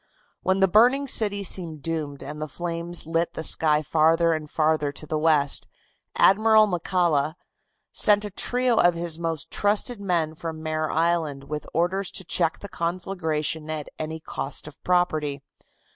When the burning city seemed doomed and the flames lit the sky farther and farther to the west, Admiral McCalla sent a trio of his most trusted men from Mare Island with orders to check the conflagration at any cost of property.